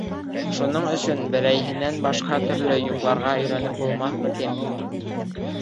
Шуның өсөн берәйһенән башҡа төрлө йоҡларға өйрәнеп булмаҫмы, тим.